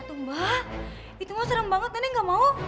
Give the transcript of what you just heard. atung mbak itu mau serem banget nenek gak mau